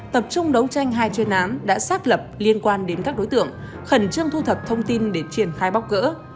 tập trung đấu tranh hai chuyên án đã xác lập liên quan đến các đối tượng khẩn trương thu thập thông tin để triển khai bóc gỡ